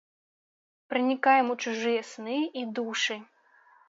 Пранікаем ў чужыя сны і душы.